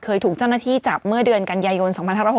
เคยถูกเจ้าหน้าที่จับเมื่อเดือนกันยายน๒๕๖๖